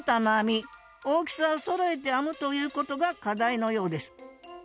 大きさをそろえて編むということが課題のようです